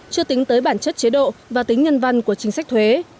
chưa tính tới bản chất chế độ và tính nhân văn của chính sách thuế